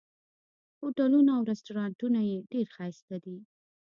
هوټلونه او رسټورانټونه یې ډېر ښایسته دي.